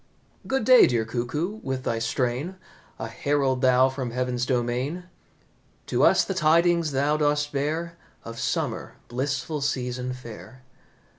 "Good day, dear Cuckoo, with thy strain A herald thou from heaven's domain; To us the tidings thou dost bear Of summer, blissful season fair.